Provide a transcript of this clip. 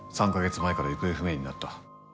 ３カ月前から行方不明になった。